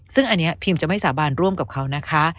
ซึ่งอันนี้พิมจะไม่สาบานร่วมกับเขานะคะ